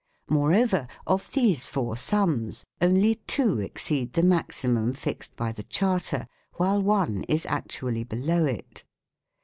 Moreover, of these four sums, only two exceed the maximum fixed by the Charter, while one is actually below it.